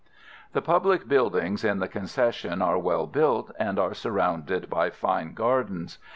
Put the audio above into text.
The public buildings in the Concession are well built, and are surrounded by fine gardens.